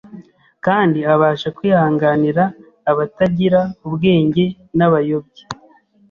kandi abasha kwihanganira abatagira ubwenge n’abayobye,